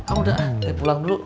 ah udah pulang dulu